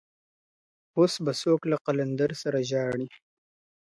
اوس به څوك له قلندره سره ژاړي.